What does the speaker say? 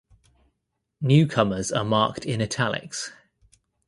Newcomers are marked in italics.